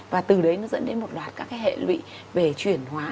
và từ đấy nó dẫn đến một loạt các cái hệ lụy về chuyển hóa